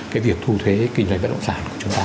cái việc thu thuế kinh doanh bất động sản của chúng ta